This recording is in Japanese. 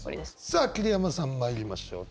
さあ桐山さん参りましょう。